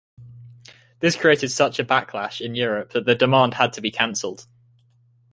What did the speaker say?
This created such a backlash in Europe that the demand had to be canceled.